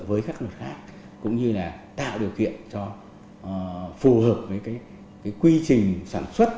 với các luật khác cũng như là tạo điều kiện cho phù hợp với cái quy trình sản xuất